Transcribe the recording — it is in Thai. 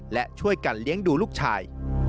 และช่วยกันเลี้ยงดูลูกชาย